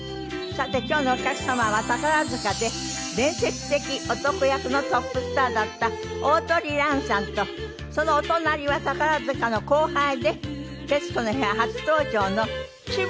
さて今日のお客様は宝塚で伝説的男役のトップスターだった鳳蘭さんとそのお隣は宝塚の後輩で『徹子の部屋』初登場の紫吹淳さんでいらっしゃいます。